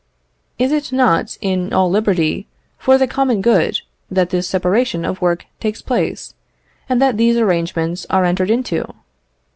Is it not in all liberty, for the common good, that this separation of work takes place, and that these arrangements are entered into?